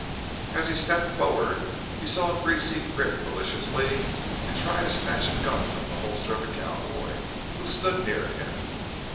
As he stepped forward he saw Greasy grin maliciously and try to snatch a gun from the holster of a cowboy who stood near him.